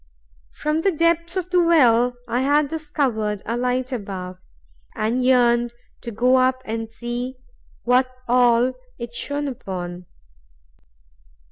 From the depths of the well I had discovered a light above, and yearned to go up and see what all it shone upon.